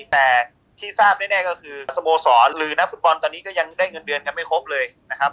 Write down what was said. แต่ที่ทราบแน่ก็คือสโมสรหรือนักฟุตบอลตอนนี้ก็ยังได้เงินเดือนกันไม่ครบเลยนะครับ